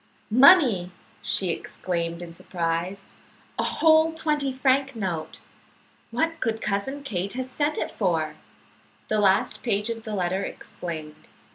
"Money!" she exclaimed in surprise. "A whole twenty franc note. What could Cousin Kate have sent it for?" The last page of the letter explained.